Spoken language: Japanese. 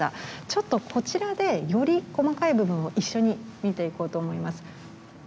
ちょっとこちらでより細かい部分を一緒に見ていこうと思います。